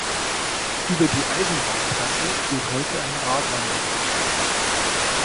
Über die Eisenbahntrasse führt heute ein Radwanderweg.